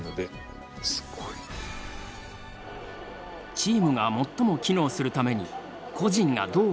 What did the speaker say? チームが最も機能するために個人がどう関わるか？